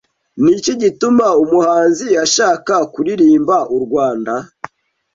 Ni iki gituma umuhanzi ashaka kuririmba u Rwanda